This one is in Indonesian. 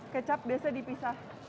kecap biasa dipisah